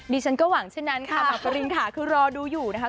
ฉันก็หวังเช่นนั้นค่ะหมากปรินค่ะคือรอดูอยู่นะคะ